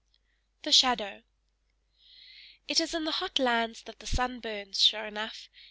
THE SHADOW It is in the hot lands that the sun burns, sure enough!